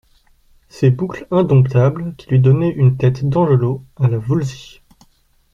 ses boucles indomptables qui lui donnaient une tête d’angelot, à la Voulzy.